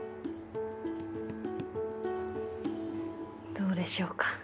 どうでしょうか？